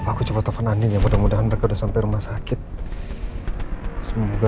aku coba telfon anin ya mudah mudahan mereka udah sampai rumah sakit semoga